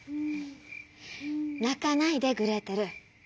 「なかないでグレーテル。